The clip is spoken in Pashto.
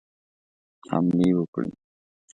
حملې وکړي.